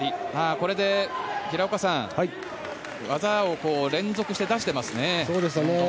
これで平岡さん、技を連続して出していますね。